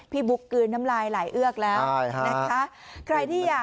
พี่บุ๊คกลืนน้ำลายหลายเอือกแล้วใช่ฮะ